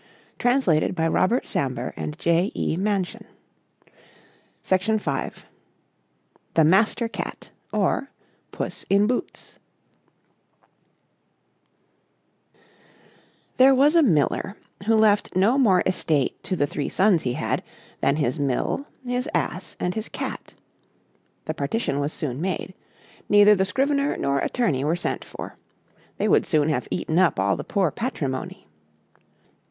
_ The Master Cat; or, Puss in Boots The Master Cat or Puss in Boots There was a miller, who left no more estate to the three sons he had, than his Mill, his Ass, and his Cat. The partition was soon made. Neither the scrivener nor attorney were sent for. They would soon have eaten up all the poor patrimony.